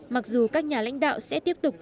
mặc dù các nhà lãnh đạo sẽ tiếp tục